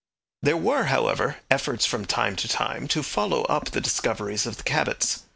There were, however, efforts from time to time to follow up the discoveries of the Cabots.